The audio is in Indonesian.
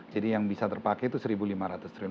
jadi yang bisa terpakai itu satu triliun